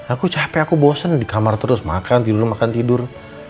aku capek aku bosen di kamar terus makan tidur dulu makan tidur